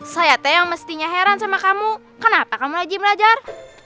saya teh yang mestinya heran sama kamu kenapa kamu wajib belajar